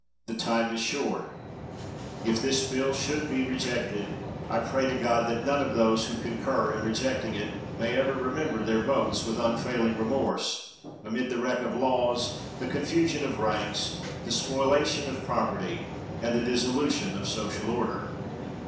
The time is short. If this bill should be rejected, I pray to God that none of those who concur in re jecting it may ever remember their votes with unavailing remorse, amid the wreck of laws, the confusion of ranks, the spoliation of prop erty, and the dissolution of social order.